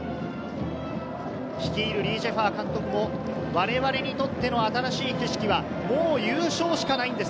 率いる李済華監督も我々にとっての新しい景色は、もう優勝しかないんです。